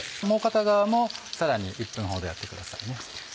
もう片側もさらに１分ほどやってくださいね。